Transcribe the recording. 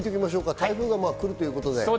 台風が来るということで。